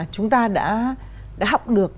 chúng ta đã học được